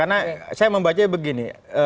karena saya membaca begini